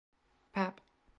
Pap.